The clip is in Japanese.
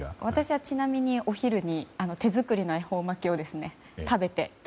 私はちなみにお昼に手作りの恵方巻きを食べて。